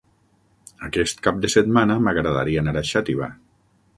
Aquest cap de setmana m'agradaria anar a Xàtiva.